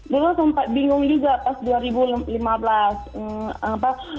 dulu sempat bingung juga pas dua ribu lima belas